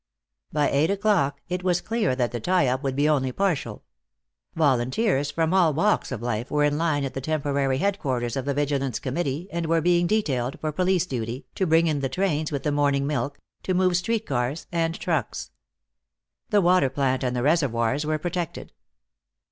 By eight o'clock it was clear that the tie up would be only partial. Volunteers from all walks of life were in line at the temporary headquarters of the Vigilance Committee and were being detailed, for police duty, to bring in the trains with the morning milk, to move street cars and trucks. The water plant and the reservoirs were protected.